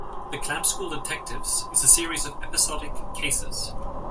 The "Clamp School Detectives" is a series of episodic cases.